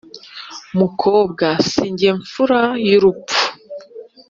mukobwa sijye mfura y’urupfu .